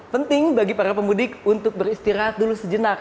penting bagi para pemudik untuk beristirahat dulu sejenak